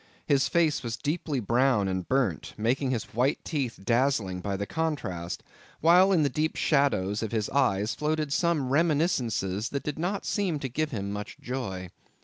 His face was deeply brown and burnt, making his white teeth dazzling by the contrast; while in the deep shadows of his eyes floated some reminiscences that did not seem to give him much joy.